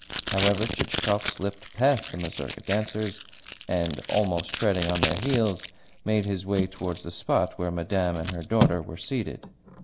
However, Chichikov slipped past the mazurka dancers, and, almost treading on their heels, made his way towards the spot where Madame and her daughter were seated.